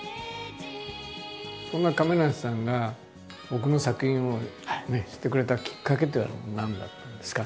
そんな亀梨さんが僕の作品を知ってくれたきっかけっていうのは何だったんですか？